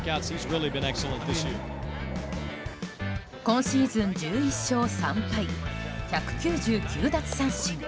今シーズン１１勝３敗１９９奪三振。